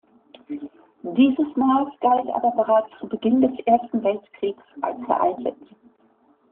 Dieses Maß galt aber bereits zu Beginn des Ersten Weltkriegs als veraltet.